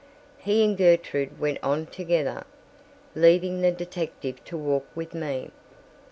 He and Gertrude went on together, leaving the detective to walk with me.